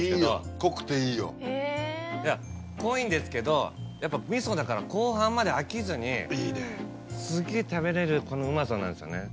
濃くていいよ。いや濃いんですけどやっぱ味噌だから後半まで飽きずにすげぇ食べれるこのうまさなんですよね。